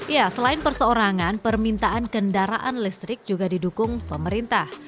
ya selain perseorangan permintaan kendaraan listrik juga didukung pemerintah